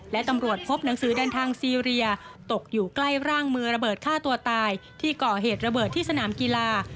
และตำรวจพบหนังสือเดินทางซีเรียตกอยู่ใกล้ร่างมือระเบิดฆ่าตัวตายที่ก่อเหตุระเบิดที่สนามกีฬา